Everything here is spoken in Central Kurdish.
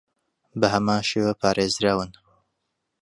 بەهەمان شێوە پارێزراون